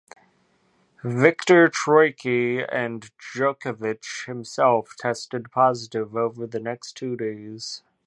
Viktor Troicki and Djokovic himself tested positive over the next two days.